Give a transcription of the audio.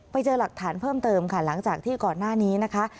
ไปเจอหลักฐานเพิ่มเติมค่ะหลังจากที่ก่อนหน้านี้นะคะ